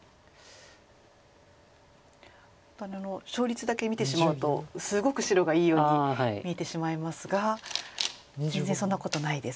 勝率だけ見てしまうとすごく白がいいように見えてしまいますが全然そんなことないですか。